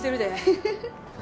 フフフ。